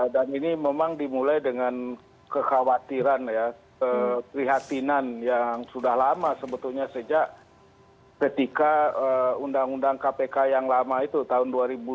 dan ini memang dimulai dengan kekhawatiran ya perhatian yang sudah lama sebetulnya sejak ketika undang undang kpk yang lama itu tahun dua ribu dua